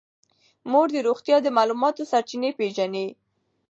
مور د روغتیا د معلوماتو سرچینې پېژني.